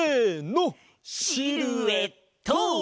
シルエット！